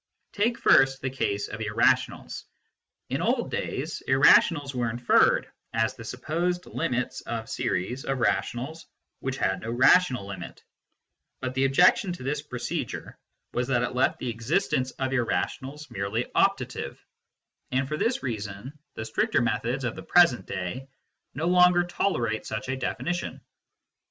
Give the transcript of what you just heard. Take first the case of irrationals. In old days, irrationals were inferred as the supposed limits of series of rationals which had no rational limit ; but the objection to this procedure was 156 MYSTICISM AND LOGIC that it left the existence of irrationals merely optative, and for this reason the stricter methods of the present day no longer tolerate such a definition.